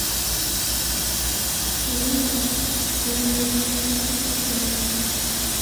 Hurray kubumenyi bwiza! kuramba!